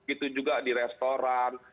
itu juga di restoran